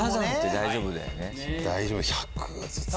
大丈夫１００ずつ。